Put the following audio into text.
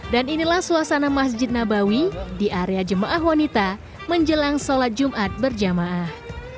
dan inilah suasana masjid nabawi di area jemaah wanita menjelang sholat jumat berjamaah